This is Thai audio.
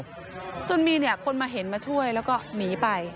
จนมีเนี่ยคนมาเห็นมาช่วยแล้วก็หนีไป